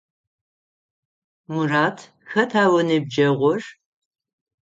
Мурат, хэта уиныбджэгъур?